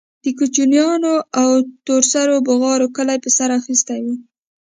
د کوچنيانو او تور سرو بوغارو کلى په سر اخيستى و.